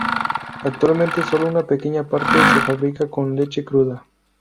Actualmente sólo una pequeña parte se fabrica con leche cruda.